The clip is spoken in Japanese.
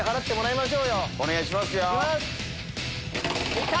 いった！